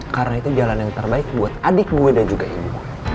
karena itu jalan yang terbaik buat adik gue dan juga ibu